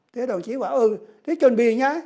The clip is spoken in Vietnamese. thế đồng chí bảo ừ thế chuẩn bị nhé